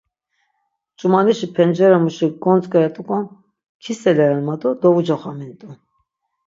Ç̆umanişi pencerepemuşi kogontzk̆eret̆ukon kiseleren ma do dovucoxamint̆u.